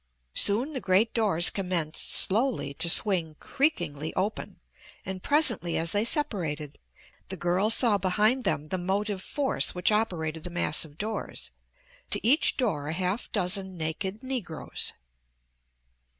Soon the great doors commenced slowly to swing creakingly open, and presently, as they separated, the girl saw behind them the motive force which operated the massive doors to each door a half dozen naked Negroes.